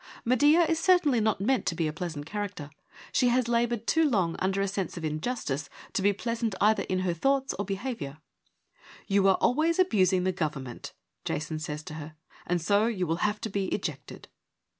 Medea is certainly not meant to be a pleasant character. She has laboured too long under a sense of injustice to be pleasant either in her thoughts or behaviour. ' You are always abusing the gov ernment ;' Jason says to her, ' and so you will have to be ejected.'